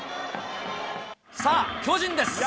さあ、巨人です。